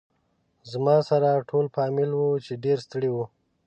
زما سره ټول فامیل و چې ډېر ستړي و.